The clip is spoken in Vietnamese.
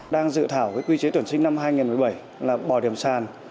đang dự thảo quy chế tuyển sinh năm hai nghìn một mươi bảy là bỏ điểm sàn